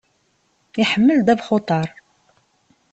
Iḥemmel ddabex uḍar.